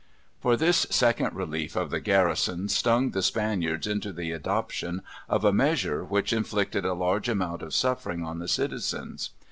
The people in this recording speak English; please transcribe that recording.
For this second relief of the garrison stung the Spaniards into the adoption of a measure which inflicted a large amount of suffering on the citizens.